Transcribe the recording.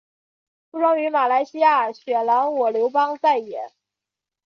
出生于马来西亚雪兰莪梳邦再也。